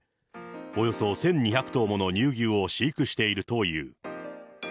およそ１２００頭もの乳牛を飼育しているという。